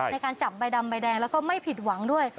ในการจับใบดำใบแดงแล้วก็ไม่ผิดหวังด้วย